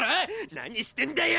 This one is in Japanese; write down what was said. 何してんだよ！